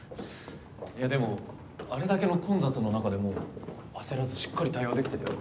いやでもあれだけの混雑の中でも焦らずしっかり対応できてたよ。